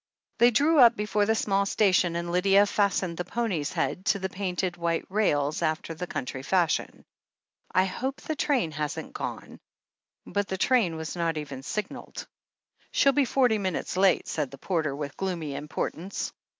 They drew up before the small station and Lydia fastened the pony's head to the painted white rails after the cotmtry fashion. "I hope the train hasn't gone." But the train was not even signalled. "She'll be forty minutes late," said the porter with gloomy importance.